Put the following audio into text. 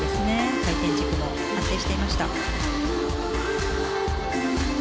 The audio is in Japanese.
回転軸も安定していました。